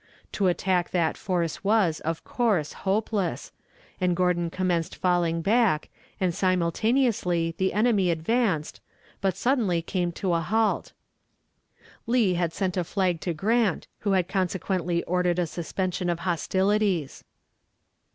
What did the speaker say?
To attack that force was, of course, hopeless, and Gordon commenced falling back, and simultaneously the enemy advanced, but suddenly came to a halt. Lee had sent a flag to Grant, who had consequently ordered a suspension of hostilities.